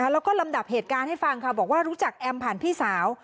แล้วก็ลำดับเหตุการณ์ให้ฟังค่ะบอกว่ารู้จักแอมผ่านพี่สาว